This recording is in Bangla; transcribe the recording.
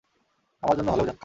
আমার জন্য হলেও খাও!